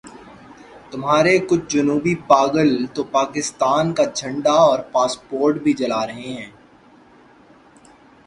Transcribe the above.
تمہارے کچھ جنونی پاگل تو پاکستان کا جھنڈا اور پاسپورٹ بھی جلا رہے ہیں۔